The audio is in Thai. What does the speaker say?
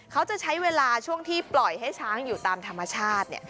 เขาจะใช้เวลาช่วงที่ปล่อยให้ช้างอยู่ตามธรรมชาติ